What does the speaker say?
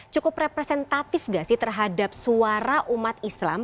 cukup representatif nggak sih terhadap suara umat islam